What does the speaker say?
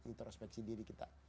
introspeksi diri kita